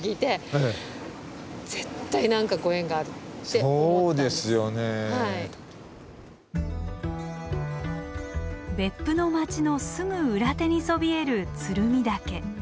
その時に別府の街のすぐ裏手にそびえる鶴見岳。